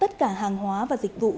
tất cả hàng hóa và dịch vụ